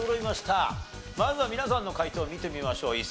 まずは皆さんの解答見てみましょう。